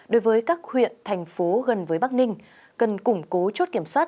đối với các huyện thành phố gần với bắc ninh cần củng cố chốt kiểm soát